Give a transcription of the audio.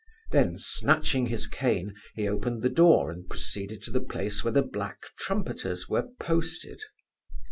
Then snatching his cane, he opened the door and proceeded to the place where the black trumpeters were posted.